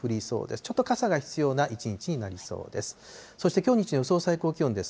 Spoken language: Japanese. ちょっと傘が必要な一日になりそうです。